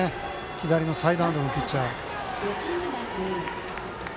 左のサイドハンドのピッチャー。